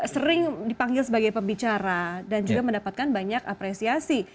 sering dipanggil sebagai pembicara dan juga mendapatkan banyak apresiasi